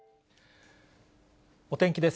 お天気です。